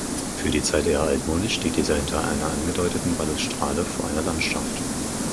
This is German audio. Für die Zeit eher altmodisch steht dieser hinter einer angedeuteten Balustrade vor einer Landschaft.